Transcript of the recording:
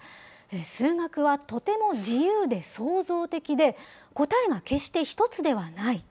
数学はとても自由で創造的で、答えが決して１つではない。